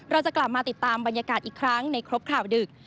เราจะกลับมาติดตามบรรยากาศอีกครั้งในครบข่าวดึก